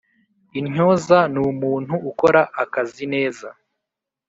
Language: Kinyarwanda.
intyoza numuntu ukora akazi neza